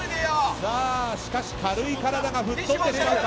しかし、軽い体が吹き飛んでしまうか。